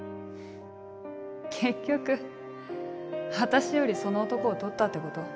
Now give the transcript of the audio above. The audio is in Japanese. フッ結局私よりその男を取ったってこと？